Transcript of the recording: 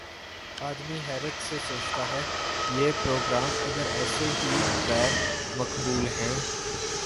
آدمی حیرت سے سوچتا ہے: یہ پروگرام اگر ایسے ہی غیر مقبول ہیں